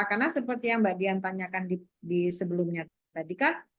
karena seperti yang mbak dian tanyakan di sebelumnya tadi kan